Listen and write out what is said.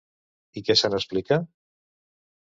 I què se n'explica?